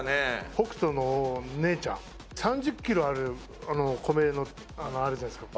北斗の姉ちゃん３０キロある米のあるじゃないですか。